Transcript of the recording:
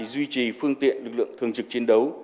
duy trì phương tiện lực lượng thường trực chiến đấu